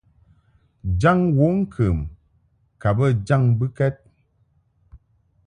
Jaŋ wəŋkəm ka bə jaŋ mbɨkɛd.